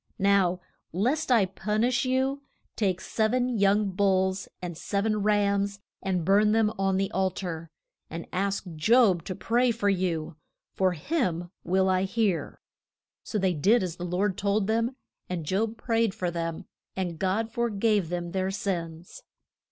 Now, lest I pun ish you, take sev en young bulls and sev en rams and burn them on the al tar, and ask Job to pray for you, for him will I hear. So they did as the Lord told them, and Job prayed for them, and God for gave them their sins.